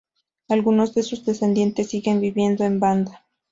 Algunos de sus descendientes siguen viviendo en Banda.